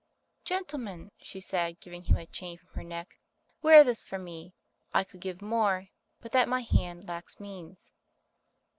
"Gentleman," she said, giving him a chain from her neck, "wear this for me. I could give more, but that my hand lacks means."